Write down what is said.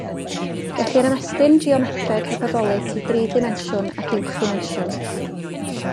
Gellir ymestyn geometreg hyperbolig i dri dimensiwn ac uwch ddimensiwn.